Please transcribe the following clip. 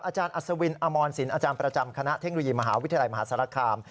อาจารย์อัศวินอมรสินอาจารย์ประจำคณะเทคโนโลยีมหาวิทยาลัยมหาสารคาม